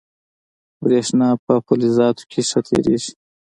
برېښنا په فلزاتو کې ښه تېرېږي.